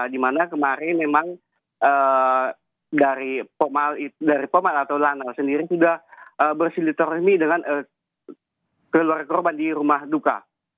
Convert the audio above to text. di mana kemarin memang dari pemang atau lanal sendiri sudah bersilaturahmi dengan keluarga korban di rumah duka